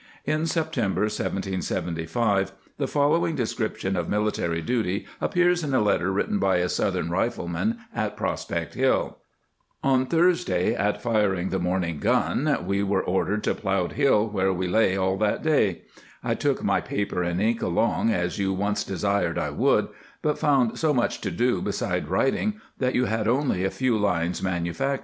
® In September, 1775, the following description of military duty appears in a letter written by a Southern rifleman at Prospect Hill :" On Thursday at firing the morning Gun we were ordered to Plow'd Hill, where we lay all that day — I took my paper & Ink along as you once desired I would, but found so much to do beside writing, that you had only a few lines 1 Orderly Book of the Northern Army at Ticonderoga, p.